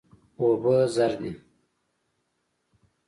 اوبه زر دي.